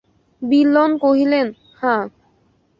বিল্বন কহিলেন, হাঁ।